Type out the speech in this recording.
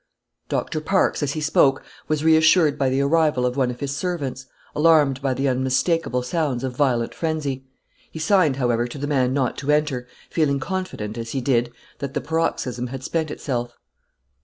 Doctor Parkes, as he spoke, was reassured by the arrival of one of his servants, alarmed by the unmistakable sounds of violent frenzy; he signed, however, to the man not to enter, feeling confident, as he did, that the paroxysm had spent itself.